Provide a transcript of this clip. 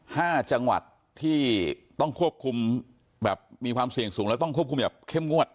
ห้าจังหวัดที่ต้องควบคุมแบบมีความเสี่ยงสูงแล้วต้องควบคุมแบบเข้มงวด